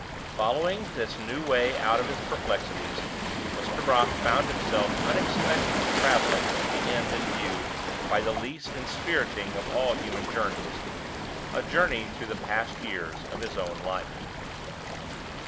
Following this new way out of his perplexities, Mr. Brock found himself unexpectedly traveling to the end in view by the least inspiriting of all human journeys a journey through the past years of his own life.